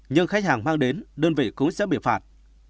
nhưng khách hàng mang đến đơn vị cũng sẽ bị phạt